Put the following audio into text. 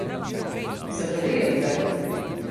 Zapeljujem te.